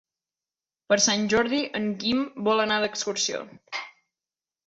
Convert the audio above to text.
Per Sant Jordi en Guim vol anar d'excursió.